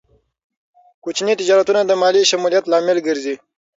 کوچني تجارتونه د مالي شمولیت لامل ګرځي.